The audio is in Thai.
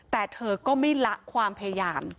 แต่เธอก็ไม่ละความพยายาม